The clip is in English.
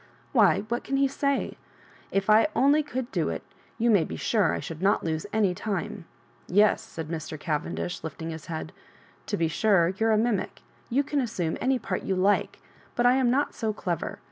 Why, what can he say ? If I only could do it, you may be sure I should not lose any tune." "Yes," said Mr. Cavendish, lifting his head. " To be sure, you're a mimic — you can assume any part you like ; but I am not so clever.